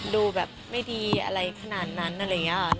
ดูแบบไม่ดีอะไรขนาดนั้นอะไรอย่างนี้ค่ะ